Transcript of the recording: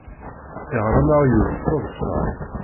Iɣṛem aɣyul, s teḍṣa.